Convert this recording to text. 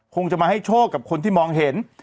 คงจะมาให้โชคกับคนที่มองเห็น